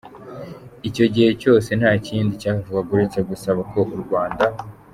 Icyo gihe cyose nta kindi cyavugwaga uretse gusaba ko u Rwanda.